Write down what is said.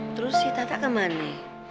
terus si tata kemana